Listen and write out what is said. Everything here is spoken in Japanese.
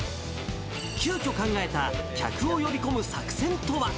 急きょ考えた、客を呼び込む作戦とは。